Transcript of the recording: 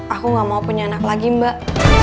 aku gak mau punya anak lagi mbak